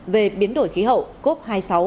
về biến đổi khí hậu cop hai mươi sáu